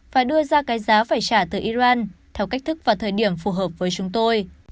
phải đưa ra cái giá phải trả từ iran theo cách thức và thời điểm phù hợp với chúng tôi